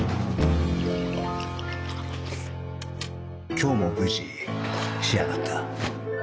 今日も無事仕上がった